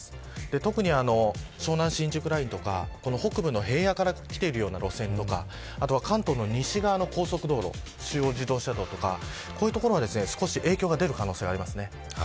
特に湘南新宿ラインとか北部の平野から来ているような路線とかあとは関東の西側の高速道路中央自動車道とかこういう所は少し影響が出る可能性がありますね。